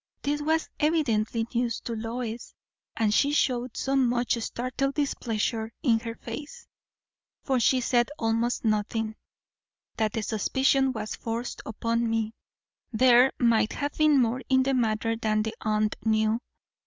This was evidently news to Lois; and she showed so much startled displeasure in her face, for she said almost nothing that the suspicion was forced upon me, there might have been more in the matter than the aunt knew.